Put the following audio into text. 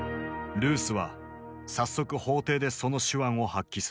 ルースは早速法廷でその手腕を発揮する。